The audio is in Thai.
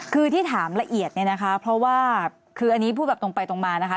คือที่ถามละเอียดเนี่ยนะคะเพราะว่าคืออันนี้พูดแบบตรงไปตรงมานะคะ